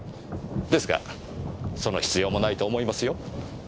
ですがその必要もないと思いますよ。